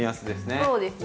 そうですね。